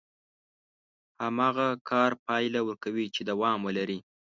هماغه کار پايله ورکوي چې دوام ولري.